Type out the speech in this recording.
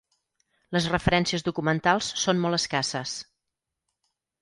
Les referències documentals són molt escasses.